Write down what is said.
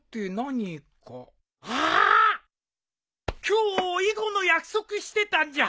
今日囲碁の約束してたんじゃ。